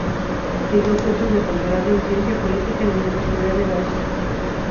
Siguió cursos de postgrado en ciencia política en la Universidad de Brasilia.